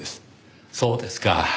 そうですか。